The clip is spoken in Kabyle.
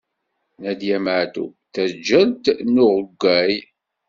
Nadiya Meɛtub, taǧǧalt n uɣewwaɣ.